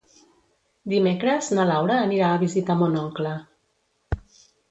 Dimecres na Laura anirà a visitar mon oncle.